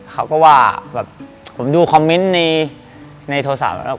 เขาก็ว่าผมดูคอมเมนต์ในโทรศัพท์